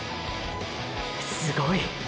すごい！！